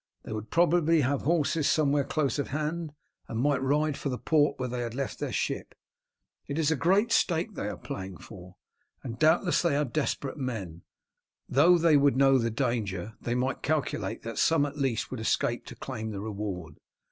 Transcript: They would probably have horses somewhere close at hand, and might ride for the port where they had left their ship. It is a great stake they are playing for, and doubtless they are desperate men; though they would know the danger they might calculate that some at least would escape to claim the reward.